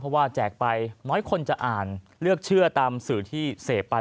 เพราะว่าแจกไปน้อยคนจะอ่านเลือกเชื่อตามสื่อที่เสพไป